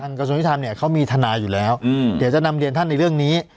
กระทรวงยุทธรรมเนี่ยเขามีทนายอยู่แล้วเดี๋ยวจะนำเรียนท่านในเรื่องนี้